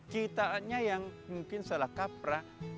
kitaannya yang mungkin salah kaprah